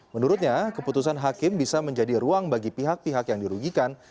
menurutnya keputusan hakim bisa menjadi ruang bagi pihak pihak yang dirugikan